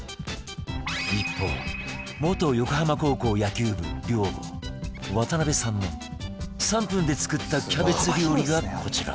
一方元横浜高校野球部寮母渡邊さんの３分で作ったキャベツ料理がこちら